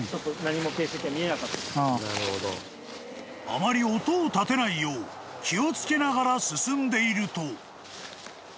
［あまり音を立てないよう気を付けながら進んでいると］